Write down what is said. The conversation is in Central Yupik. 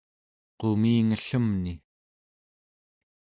qumingellemni